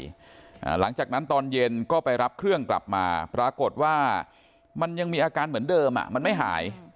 หลังจากนั้นตอนเย็นก็ไปรับเครื่องกลับมาปรากฏว่ามันยังมีอาการเหมือนเดิมอ่ะมันไม่หาย